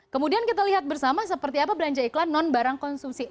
kemudian kita lihat bersama seperti apa belanja iklan non barang konsumsi